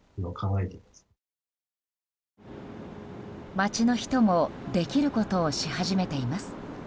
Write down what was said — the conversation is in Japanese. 街の人もできることをし始めています。